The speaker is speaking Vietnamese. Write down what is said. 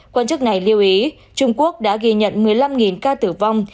quan chức này lưu ý trung quốc đã ghi nhận một mươi năm ca tử vong